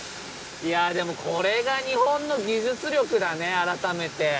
いやでもこれが日本の技術力だね改めて。